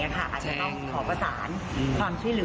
อาจจะต้องขอประสานความช่วยเหลือ